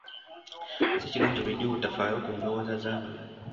Si kirungi bulijjo obutafaayo ku ndowooza z'abalala.